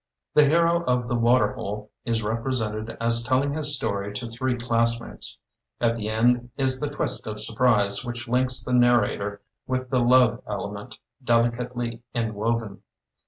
The hero of "The Water Hole" is represented as telling his story to three classmates. At the end is the twist of surprise which links the nar rator with the love element, delicately inwoven.